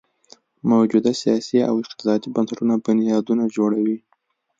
موجوده سیاسي او اقتصادي بنسټونه بنیادونه جوړوي.